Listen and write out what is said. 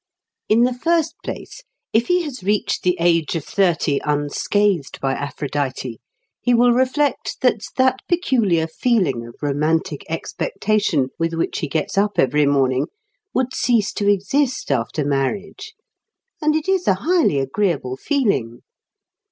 In the first place, if he has reached the age of thirty unscathed by Aphrodite, he will reflect that that peculiar feeling of romantic expectation with which he gets up every morning would cease to exist after marriage and it is a highly agreeable feeling!